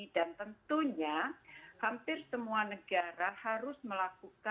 dan tentunya hampir semua negara harus melakukan revokasi